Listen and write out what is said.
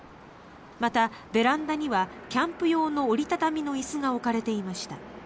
また、ベランダにはキャンプ用の折り畳みの椅子が置かれていました。